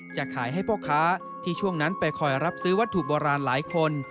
จะขายให้พ่อค้าที่ช่วงนั้นไปคอยรับซื้อวัตถุโบราณหลายคน